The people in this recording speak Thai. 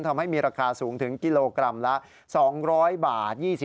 ทำให้มีราคาสูงถึงกิโลกรัมละ๒๐๐บาท